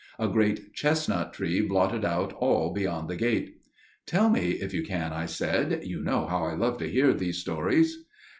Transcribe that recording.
A great chestnut tree blotted out all beyond the gate. "Tell me if you can," I said. "You know how I love to hear those stories."